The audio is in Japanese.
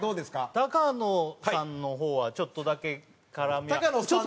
高野さんの方はちょっとだけ絡みは。